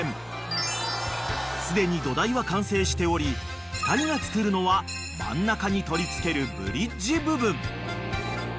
［すでに土台は完成しており２人が作るのは真ん中に取り付けるブリッジ部分］